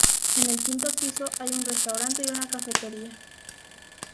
En el quinto piso hay un restaurante y una cafetería.